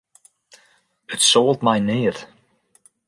It soalt my neat.